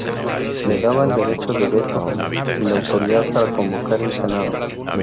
Le daba el derecho de veto y la autoridad para convocar el Senado.